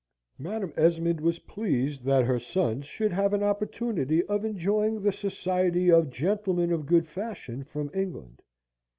Madam Esmond was pleased that her sons should have an opportunity of enjoying the society of gentlemen of good fashion from England.